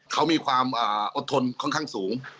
เขามีความอดทนค่อนข้างสูง